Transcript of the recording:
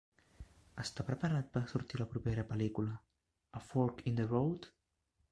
Està preparat per sortir a la propera pel·lícula "A Fork in the Road".